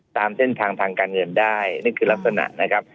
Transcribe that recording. ตามเส้นทางทางการเงินได้นั่นคือลักษณะนะครับ